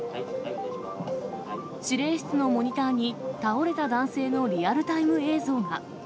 指令室のモニターに、倒れた男性のリアルタイム映像が。